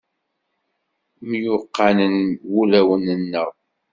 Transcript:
Myuqqanen wulawen-nneɣ.